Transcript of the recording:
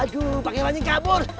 aduh pake pancing kabur